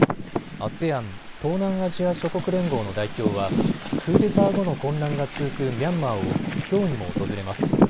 ＡＳＥＡＮ・東南アジア諸国連合の代表はクーデター後の混乱が続くミャンマーをきょうにも訪れます。